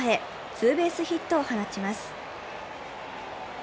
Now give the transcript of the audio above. ツーベースヒットを放ちます。